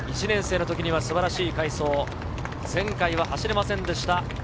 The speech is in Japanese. １年生の時には素晴らしい快走、前回は走れませんでした。